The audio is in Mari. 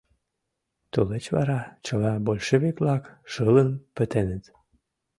Тулеч вара чыла большевик-влак шылын пытеныт.